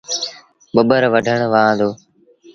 ٻٻر وڍن وهآن دو۔